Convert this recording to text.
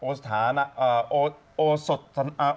โอสถานากร